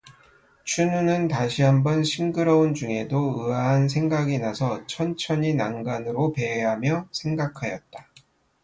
춘우는 다시 한번 신기러운 중에도 의아한 생각이 나서 천천히 난간으로 배회하며 생각하였다.